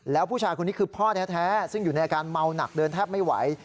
แล้วผู้ชายคนนี้คือพ่อแท้ซึ่งอยู่ในอาการเมาหนักเดินแทบไม่ไหว